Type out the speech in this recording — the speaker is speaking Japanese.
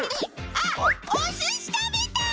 あっおすしたべた！